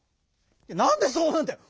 なんでそうなるんだよ！